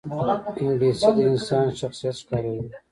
انګلیسي د انسان شخصیت ښکاروي